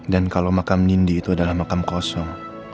dan kalau makam nindi itu adalah makam kosong